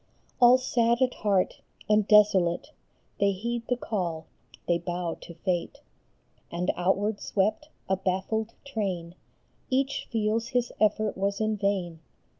All sad at heart and desolate They heed the call, they bow to fale ; 142 WAVE AFTER WAVE. And outward swept, a baffled train, Each feels his effort was in vain.